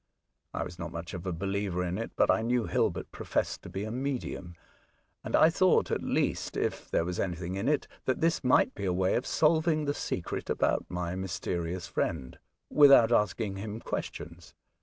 I was not much of a believer in it, but I knew Hilbert professed to be a medium ; and I thought at least, if there was anything in it, that this might be a way of solv ing the secret about my mysterious friend, without asking him questions.